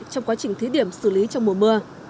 trong quá trình thí điểm xử lý trong mùa mưa